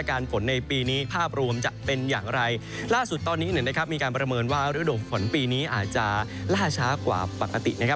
ฝนในปีนี้ภาพรวมจะเป็นอย่างไรล่าสุดตอนนี้เนี่ยนะครับมีการประเมินว่าฤดูฝนปีนี้อาจจะล่าช้ากว่าปกตินะครับ